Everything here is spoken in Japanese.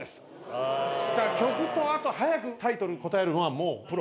曲とあと早くタイトル答えるのはもうプロ。